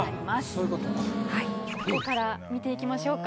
どこから見ていきましょうか？